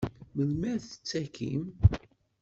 Melmi ay d-tettakim?